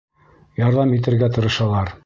Ярҙам итергә тырышалар.